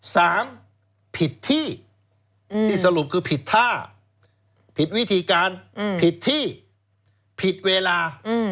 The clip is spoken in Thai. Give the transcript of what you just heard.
สามผิดที่ที่สรุปคือผิดท่าผิดวิธีการผิดที่ผิดเวลา